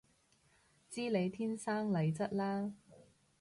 知你天生麗質嘞